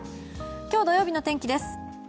今日土曜日の天気です。